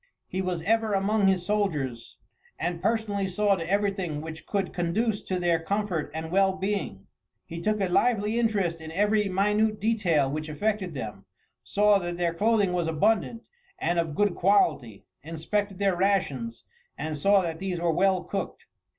He was ever among his soldiers, and personally saw to everything which could conduce to their comfort and well being. He took a lively interest in every minute detail which affected them; saw that their clothing was abundant and of good quality, inspected their rations, and saw that these were well cooked.